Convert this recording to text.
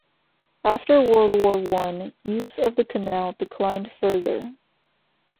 After World War One, use of the Canal declined further.